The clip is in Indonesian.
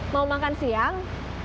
mau makan siang